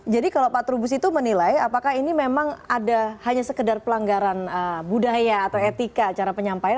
jadi kalau pak trubus itu menilai apakah ini memang ada hanya sekedar pelanggaran budaya atau etika cara penyampaian